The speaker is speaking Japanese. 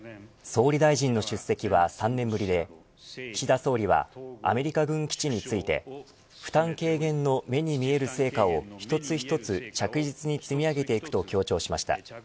総理大臣の出席は３年ぶりで岸田総理はアメリカ軍基地について負担軽減の目に見える成果を一つ一つ着実に積み上げていくと強調しました。